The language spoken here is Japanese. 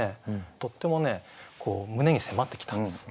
とっても胸に迫ってきたんです。